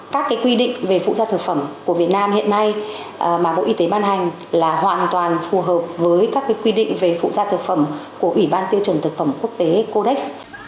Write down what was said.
các quy định về phụ gia thực phẩm của việt nam hiện nay mà bộ y tế ban hành là hoàn toàn phù hợp với các quy định về phụ gia thực phẩm của ủy ban tiêu chuẩn thực phẩm quốc tế codec